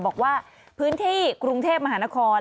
บอกว่าพื้นที่กรุงเทพมหานคร